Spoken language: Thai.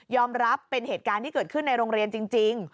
รับเป็นเหตุการณ์ที่เกิดขึ้นในโรงเรียนจริง